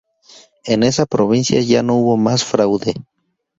En esa provincia ya no hubo más fraude.